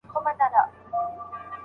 باید له استثمار څخه ځان وژغورو.